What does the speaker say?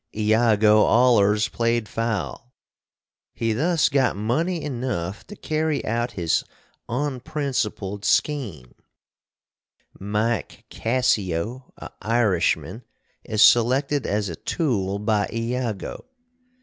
(Iago allers played foul.) He thus got money enuff to carry out his onprincipled skeem. Mike Cassio, a Irishman, is selected as a tool by Iago.